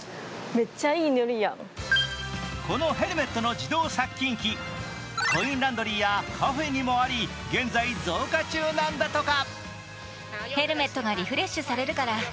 このヘルメットの自動殺菌機、コインランドリーやカフェにもあり現在増加中なんだとか。